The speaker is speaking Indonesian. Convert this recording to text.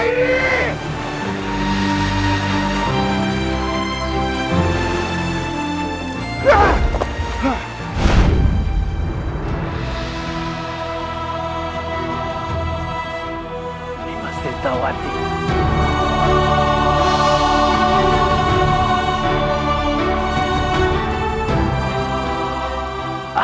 ini masih tawatinya